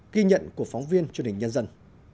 ghi nhận của phóng viên truyền hình nhân dân